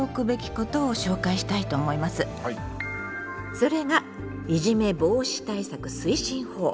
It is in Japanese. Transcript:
それが「いじめ防止対策推進法」。